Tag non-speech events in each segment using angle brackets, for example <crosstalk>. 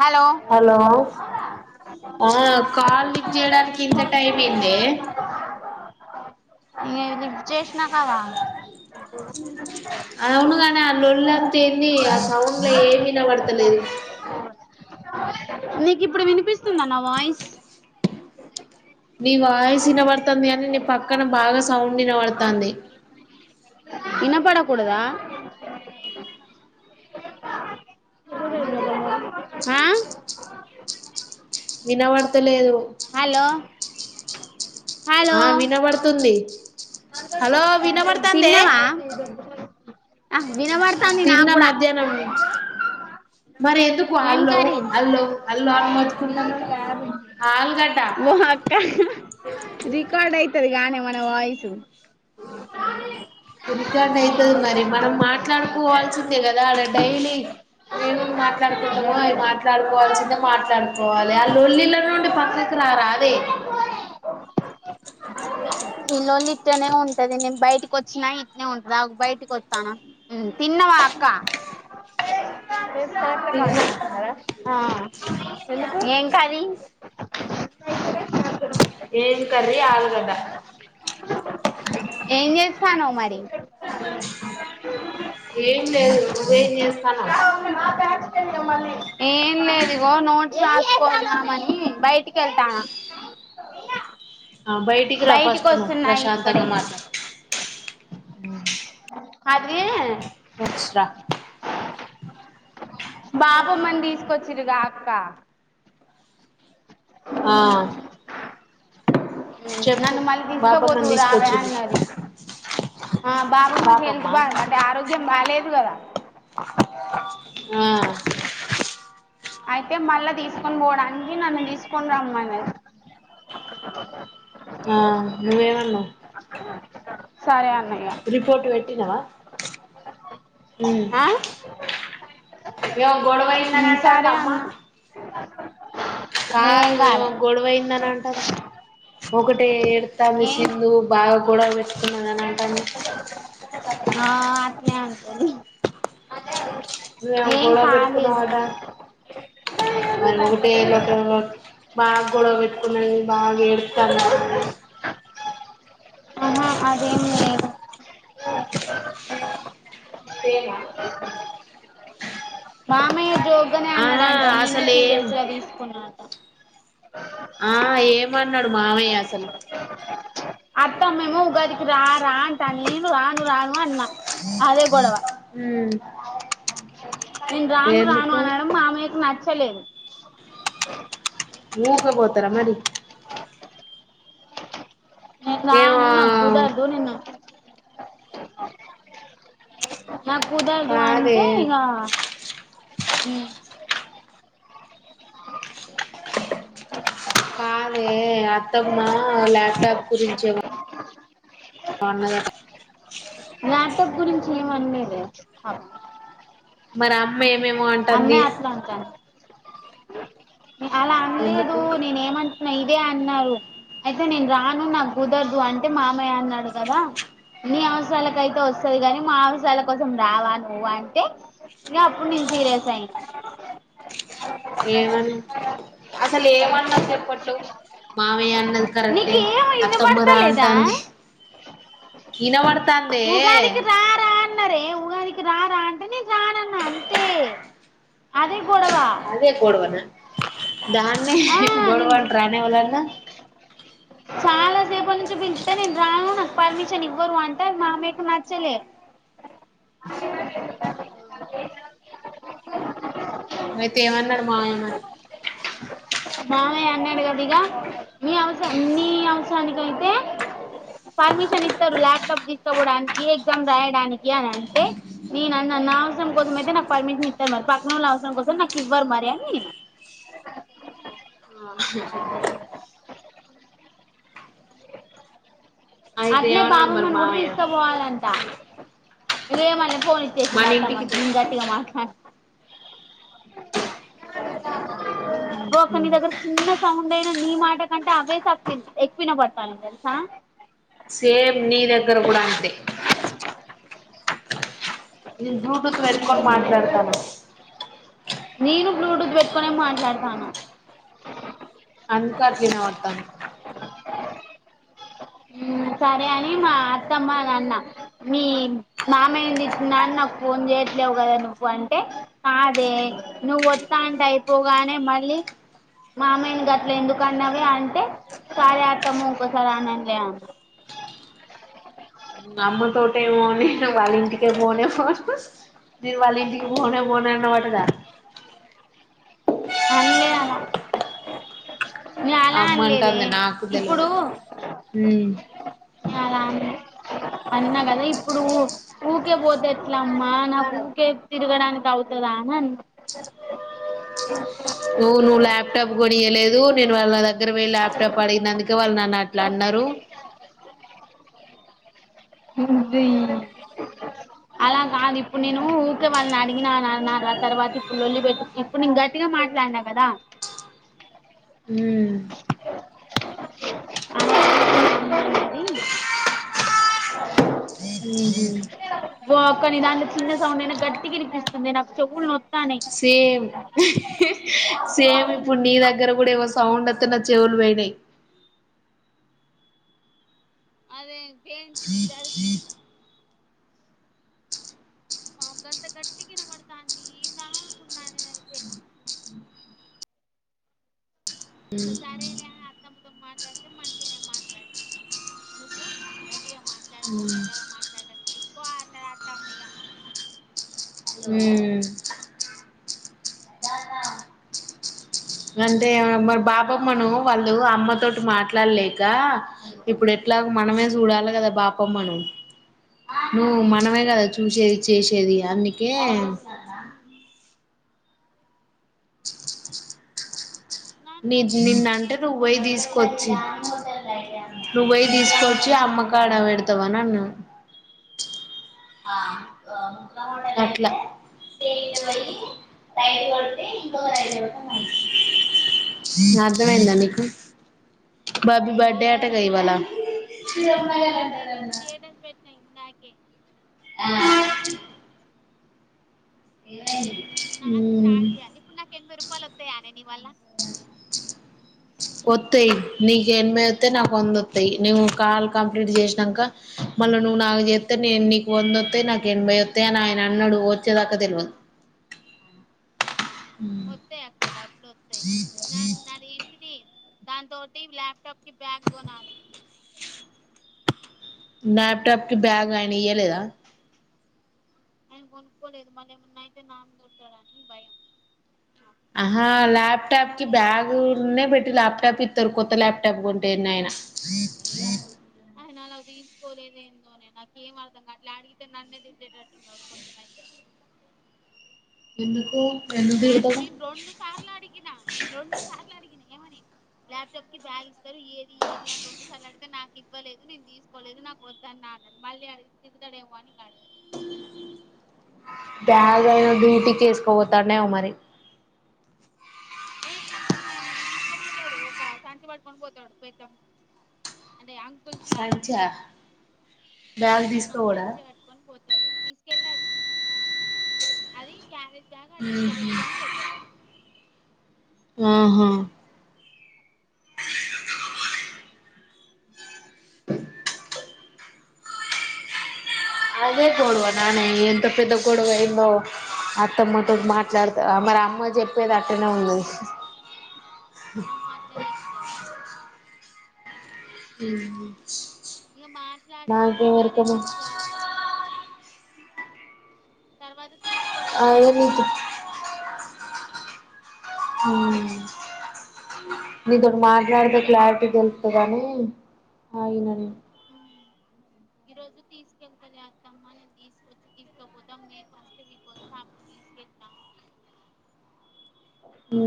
Hello. Hello ఆ call lift జేయడానికి, ఇంత టైం ఏందే. ఈ లిఫ్ట్ జేసినకదా. అవును కాని అలోళ ఏంది ఆ సౌండ్ లో ఏమి ఇనబడతలేదు నీకు ఇప్పుడు వినిపిస్తుందా నా వాయిస్ నీ వాయిస్ ఇనబడతంది గాని నీ పక్కన బాగా సౌండ్ వినబడతాంది ఇనపడకూడదా ఆ వినబడతలేదు హలో హలో ఆ వినబడుతుంది హలో వినబడతాందే తిన్నవా ఆ వినబడతాంది తిన్నా నాగూడ మధ్యాహ్నం మరి ఎందుకు ఏం అల్లో కర్రి అల్లో అల్లో అని మొత్తుకుంటున్నావ్ ఆలుగడ్డ ఓ అక్క రికార్డ్ అవుతది గానే మన వాయిసు రికార్డ్ అయితది మరి మనం మాట్లాడుకోవాల్సిందే కదా అడ డైలీ ఏమేం మాట్లాడుకుంటామో అవి మాట్లాడుకోవాల్సి ఎంత మాట్లాడుకోవాలి ఆ లొల్లిలో నుండి పక్కకు రారాదే ఈ లొల్లి ఇట్టనే ఉంటది నేను బయటకి వచ్చినా ఇట్నే ఉంటది ఆగు బయటకి వస్తాన తిన్నా వా అక్కా తిన్న ఆ ఏ కది ఏం కర్రీ ఆలుగడ్డ ఏం చేస్తున్నావ్ మరి ఏం లేదు నువ్వేం చేస్తున్నావ్ ఏం లేదు ఇగో నోట్స్ రాసుకుందమని బయటికి వెళ్తానా ఆ బయటికి రా ఫస్ట్ ను వస్తున్నాయి ఇప్పుడే ప్రశాంతంగా మాట్లాడు కదిరీ రా బాపమ్మని తీసుకొచ్చిరుగా అక్క ఆ మ్ చెప్పు నన్ మళ్ల్ బాపమ్మని తీస్కబోదురావే తీసుకొచ్చిళ్ళు అన్నది ఆ బాబమ్మకు పాపమ్మ హెల్త్ బా అంటే ఆరోగ్యం బాగాలేదు కదా ఆ అయితే మళ్ళా తీసుకుొని పోవడానికి నన్ను తీసుకుని రమ్మనది ఆ నువ్వెమన్నవ్ సరే అన్ రిపోర్ట్ పెట్టినవా మ్ ఆ ఏవో గొడవైందని అంటాండ సరే అమ్మ అన్న కాదు ఏం ఏమో కాలే గొడవయిందని అంటాది ఒకటె ఏ అంటాంది ఏం సింధు బాగా కూడా పెట్టుకున్నారు అని అంటాంది ఆ అట్నే అంటది నువ్వేమో గొడవ పెట్టుకున్నావ్ అంట మరి ఒకటే లొట్టలో రోట్ బాగా గొడవ పెట్టుకున్నాది బాగా ఏడుస్తాంది అని అన్నది మ్ అదేం లేదు సేన మామయ్య జోగ్గానే ఆహా అన్నాడంట నేనే అసలు ఏం సీరియస్ గా తీసుకున్నా అట ఆ ఏమన్నాడు మామయ్య అసలు అత్తమ్మేమో ఉగాదికి రా రా అంటా నేను రాను రాను అన్నా అదే గొడవ ఉమ్ నేను రాను రాను ఎందుకు అనడం మామయ్యకు నచ్చలేదు. ఊకే పోతుర మరి నేను ఏమో రాను నగ్గుదరాదు నిన్న నాకు కుదరదు కాదే అంటే ఇగ కాదే అత్తమ్మ ల్యాప్టాప్ గురించే అన్నది అట లాప్టాప్ గురించి ఏం అనలేదే మరి అమ్మ ఏమేమో అంటుంది అమ్మో అట్లా అంటుంది అలా అనలేదు ఎందుకు నేను ఏమంటన్నా ఇ అదే అన్నారు అయితే నేను రాను నాకు కుదరదు అంటే మామయ్య అన్నాడు కదా నీ అవసరాలకుయితే వస్తుది కాని మా అవసరాల కోసం రావా నువు అంటే ఇగ అప్పుడు నుంచి సీరియస్ అయింది ఏమని అసలు ఏమన్నారు చెప్పట్లేవు మావయ్య అన్నది కరెక్టే నీకు ఏం అత్తమ్మరా వినబడతలేదా అంటుంది ఇన పడతాందే ఉన్నారే ఉగాదికి రారా అంటే నేను రారాన్న అదే గొడవ దాన్ని ఆ నేను గొడవంట రానే ఏవళన్నా రేప నుంచి పిళ్తే నేను రాను నాకు పర్మిషన్ ఇవ్వరు అంటారు మామేకు నచ్చలే అయితే ఏమన్నాడు మామయ్య మరి మామయ్య అన్నాడు కదా ఇగ నీ అవసర నీ అవసరానికి అయితే పర్మిషన్ ఇస్తారు ల్యాప్టాప్ తీసుకోవడానికి ఎగ్జామ్ రాయడానికి అని అంటే నేను అన్న నా అవసరం కోసమయితే నా పర్మిషన్ ఇస్తారు మరి పక్కనల అవసరం కోసం నాకు ఇవ్వరు మరి అని నేను హా అయితే అట్లనే ఏమన్నాడు మరి బాపమ్మని కూడా మామయ్య తీసుకోపోవాలంట ఇగ మళ్ళీ ఫోన్ మన ఇచ్చేసిండు ఇంటికి అత్తమ్మకి రా నేను గట్టిగా మాట్లాడిన ఓ అక్క నీ దగ్గర చిన్న సౌండ్ అయినా నీ మాట కంటే అవే స ఎక్కువ వినబడుతున్నాయి తెలుసా సేమ్ నీ దగ్గర కూడా అంతే నేను బ్లూటూత్ పెట్టుకొని మాట్లాడతానా నేను బ్లూటూత్ పెట్టుకునే మాట్లాడతానా అందుకే అట్ల వినపడుతాంది సరే అని మా అత్తమ్మ అని అన్న మీ మామయ్యని తిట్టినా నాకు ఫోన్ చేసి ట్టావు కదా నువ్వు అంటే కాదే నువ్వు వత్త అంటే అయిపోగానే మళ్ళీ మామయ్యని గట్ల ఎందుకు అన్నావే అంటే సారీ అత్తమ్మ ఇంకోసారి అననులే అనే అమ్మతోటే పోనీ నేను వాళ్ళింటికి పోనే పోను నేను వాళ్ళ ఇంటికి పోనే పోను అన్నావంటగా అన్లే అలా నే అలా అమ్మ అనలేదే అంటుంది నాకు ఇప్పుడు తెలవదు ఉమ్ ఆ రాను అన్నా కదా ఇప్పుడు ఊకే పోతే ఎట్ల అమ్మా నా ఊకే తిరగడానికి అవుతదా అని అన్నా నువువ్వు ల్యాప్టాప్ కొనియ్యలేదు నేను వాళ్ళ దగ్గర పోయి లాప్టాప్ అడిగినందుకే వాళ్ళు నన్ను అట్లా అన్నారు రు నువ్వీ అలా కాదు ఇప్పుడు నేను ఊకే వాళ్ళ అడిగినాన నా తర్వాత ఇప్పుడు లొల్లి పెట్టు కు ఇప్పుడు నేన్ గట్టిగా మాట్లాడినా కదా హ్మ్ అన్నది ఉహు ఓ అక్క నీ దాంట్లో చిన్న సౌండ్ అయినా గట్టిగినిపిస్తుంది నాకు చెవులు నో సేమ్ సేమ్ ఇప్పుడు నీ దగ్గర కూడా వస్ సౌండత్తన చెవులు పోయినాయి అదే గేమ్ చినిద్దాల్ వామ్ అంత గట్టిగా వినబడుతాంది ఎందా అనుకున్న నేన్ అయితే ఇంగ సరేలే అత్తమ్మతో మాట్లాడితే మంచిగానే మాట్లాడింది ఇగ నువ్వు గట్టిగా మాట్లాడకు మెల్లగా మాట్లాడటం నేర్చుకో అన్నదంట అమ్మ ఇగ హుమ్ అంటే మరి బాపమ్మను వాళ్ళు అమ్మతోటి మాట్లాడలేక ఇప్పుడు ఎట్లా మనమే చూడాల కదా బాపమ్మను నువ్ మనమే కదా చూసేది చేసేది అందుకే నన్ను నీజ్ అంటే నిన్నంటే నాకేం వత్తది నువ్వుబోయి చెప్పక్క తీసుకొచ్చి నువ్ బోయి తీసుకవచ్చి అమ్మకాడ పెడతావ్ అని అన్నా అట్ల టైట్ కొట్టి ఇంకొట్టి <unintelligible> అర్థమైందా మీకు బబ్బి బర్డే అదే అట గదా కాని మన ఇవాళ్ల అమ్మ ఓకే ఆ ఇ నాది మ్మ్ స్టార్ట్ చేయాలి ఇప్పుడు నాకు ఎన్భై రూపాయలు వత్తాయనే నీవల్ల వత్తాయి నీకు ఎన్బైవస్తాయి నాకు వంద వత్తాయి నువ్వు కాల్ కంప్లీట్ చేసినాంక మళ్ళ నువ్వు నాకు జేత్తే నీ నీకు వంద వత్తాయి నాకు ఎనభై వత్తాయి అని ఆయన అన్నడు ఓచ్చదాక తెల్వదు వత్తాయి అక్క డబ్బులు వత్తాయి న నా ఏంటి టీ దానితోటి ల్యాప్టాప్ కి బ్యాగ్కొనాలి భ్యాప్టాప్ కి బ్యాగ్ ఆయన ఇయ్యలేదా ఆయన కొనుక్కోలేదు మళ్ళ ఏమన్నాయితే నాకు కోడతాడని భయం ఆహా ల్యాప్టాప్ కి బ్యాగునే పెట్టి ల్యాప్టాప్ ఇస్తారు కొత్త ల్యాప్టాప్ కొంటే ఎన్నయినా <inaudible> ఆయన అలా తీసుకోలేందోని నాకు ఏం అర్ధంగాట్లే అడిగితే నన్నే తిట్టేటట్టున్నాడు కొంచం అయితే ఎందుకో లాక్మి రెండు సార్లు అడిగిన నేను రెండు సార్లు అడిగిన ఏమని ల్యాప్టాప్ కి బ్యాగ్ ఇస్తారు ఏది ఏది అని రెండు సార్లు అడిగితే నాకు ఇవ్వలేదు నేను తీసుకోలేదు నాకు వద్దన్న అన్నాడు మళ్ళీ అడిగితే తిడుతడేమో అని ఇగ అడగలేదు బ్యాగ్ ఆయన డ్యూటికి వేసుకోపోతాడ్ నేమో మరి <inaudible> ఏంఎసుకపోతాడు ఒక సంచి పట్టుకొని పోతాడు పోయేటప్పుడు అంటే అ అంకుల్స్ లాగా సంచా బ్యాగ్ ఒక తీసుకోపోడా సంచి కట్టుకొని పోతాడు తీసుకు కెళ్ళాడు అది క్యారేజ్ బ్యాగ్ ఆ డిక్లో పెట్టుకొని పోతాడు ఇగ ఆహా అదే గొడవననే ఎంత పెద్ద గొడవైందో అత్తమ్మాతో మాట్లాడత మరి అమ్మ చెప్పేది అట్టనే ఉంది అమ్మ అట్నే చెప్తది హ్మ్ ఇగ మాట్లాడింది ఎరుకమ్మా సరేలే ఇగ తర్వాత తీసుకొస్తలే అదే అని నీతో చెప్పినా ఈరోజు హ నీతోటి మాట్లాడితే క్లారిటీ తెలుత్తదనీ ఆగిన నీను అ ఈ రోజు తీసుకెళ్తలే అత్తమ్మ నీను తీసుకొచ్చి తీసుకోపోతాం మే ఫస్ట్ వీక్ వత్తా అపుడు ఉ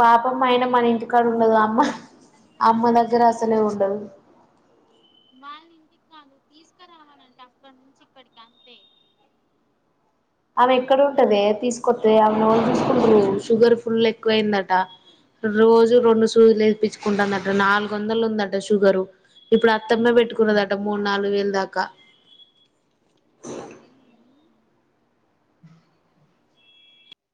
బాపమ్మయిన మన ఇంటికాడ ఉండదగా అమ్మ అమ్మ దగ్గర అసలే ఉండదు వాళ్ళంటికి కాదు తీసుకురావాలంటే అక్కడ నుంచి ఇక్కడికి అంతే ఆమె ఎక్కడ ఉంటదే తీసుకొస్తే అవినీ ఎవర్ చూసకుంటూరు షుగర్ ఫుల్ ఎక్కువయిందట రోజు రెండు సూదులు వేపించుకుంటాందట నాలుగు వందలు ఉందట షుగరు ఇప్పుడు అత్తమ్మే పెట్టుకున్నదట మూడు నాలుగు వేలు దాకా